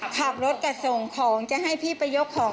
ขับรถกับส่งของจะให้พี่ไปยกของ